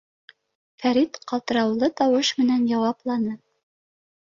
— Фәрит ҡалтыраулы тауыш менән яуапланы.